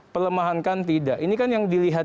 pelemahan kan tidak ini kan yang dilihat